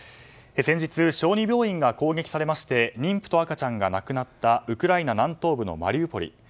先日、小児病院が攻撃されまして妊婦と赤ちゃんが亡くなったウクライナ南東部のマリウポリ。